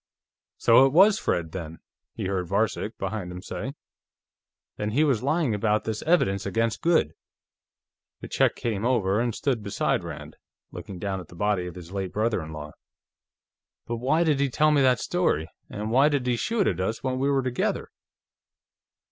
"So it was Fred, then," he heard Varcek, behind him, say. "Then he was lying about this evidence against Goode." The Czech came over and stood beside Rand, looking down at the body of his late brother in law. "But why did he tell me that story, and why did he shoot at us when we were together?"